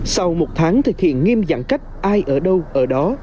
sau một tháng thực hiện nghiêm giãn cách ai ở đâu ở đó